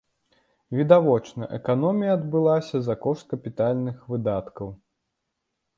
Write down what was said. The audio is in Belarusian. Відавочна, эканомія адбылася за кошт капітальных выдаткаў.